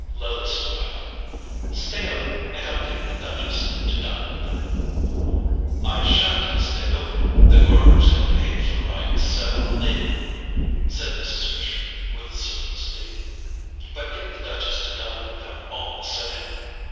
Lily smiled. "Stay over, and I'll get the Duchess to dine with them." "I shan't stay over—the Gormers have paid for my SALON LIT," said Mrs. Fisher with simplicity. "But get the Duchess to dine with them all the same."